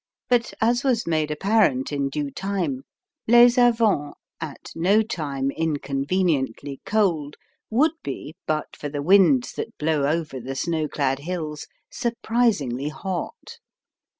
But, as was made apparent in due time, Les Avants, at no time inconveniently cold, would be, but for the winds that blow over the snow clad hills surprisingly hot.